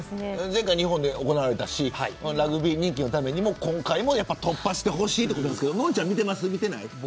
前回、日本で行われたしラグビー人気のためにも今回も突破してほしいですけどのんちゃん見てないですか。